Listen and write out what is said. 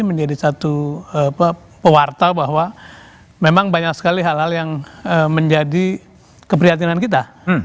menjadi satu pewarta bahwa memang banyak sekali hal hal yang menjadi keprihatinan kita